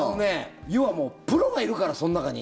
要はもうプロがいるから、その中に。